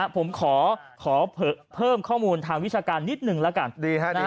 ผมขอเพิ่มข้อมูลทางวิชาการนิดหนึ่งแล้วกัน